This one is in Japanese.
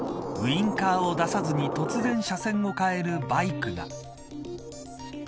ウインカーを出さずに突然車線を変えるバイクが。